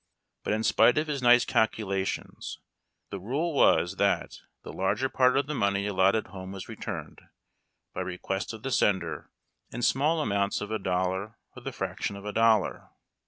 But in spite of his nice calculations the rule was that the larger part of the money allotted home was returned, by request of the sender, in small amounts of a dollar or the fraction of a dollar.